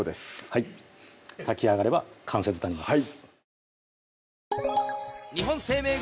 はい炊き上がれば完成となります